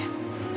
itu dia lo